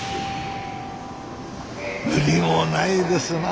無理もないですな。